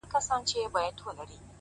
په عزت په شرافت باندي پوهېږي؛